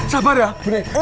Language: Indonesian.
sabar ya bu nek